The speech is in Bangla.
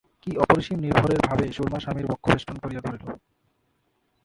কী অপরিসীম নির্ভরের ভাবে সুরমা স্বামীর বক্ষ বেষ্টন করিয়া ধরিল।